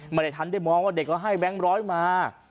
ไม่ได้ทันได้มองว่าเด็กเราให้แบงค์ร้อยมา